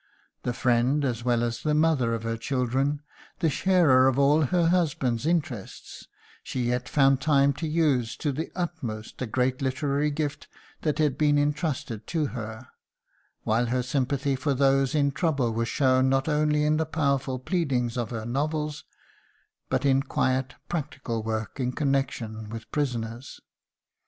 The friend as well as the mother of her children, the sharer of all her husband's interests, she yet found time to use to the utmost the great literary gift that had been entrusted to her; while her sympathy for those in trouble was shown not only in the powerful pleading of her novels, but in quiet, practical work in connection with prisoners.